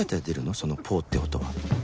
その「ポ」って音は